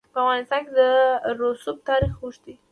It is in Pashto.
په افغانستان کې د رسوب تاریخ اوږد دی.